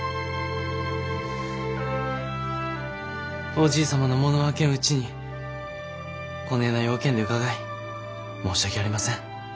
おじい様の喪の明けんうちにこねえな用件で伺い申し訳ありません。